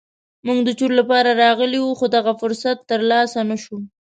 موږ د چور لپاره راغلي وو خو دغه فرصت تر لاسه نه شو.